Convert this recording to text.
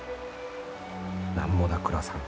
『なんもな倉さん